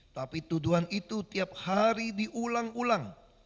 tapi tuduhan itu tiap hari diulang ulang